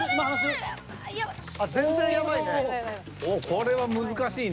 これは難しいね。